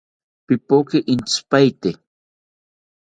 Pipoki intzipaete